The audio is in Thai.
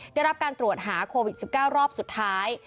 ได้รับการตรวจหาโควิด๑๙รอบสุดท้าย